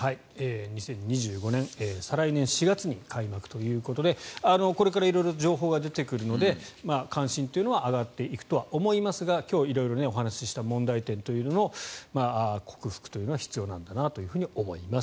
２０２５年再来年４月に開幕ということでこれから色々情報が出てくるので関心というのは上がっていくとは思いますが今日、色々お話した問題点というのを克服というのは必要なんだなと思います。